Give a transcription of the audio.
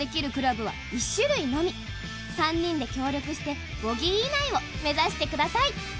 ３人で協力してボギー以内を目指してください。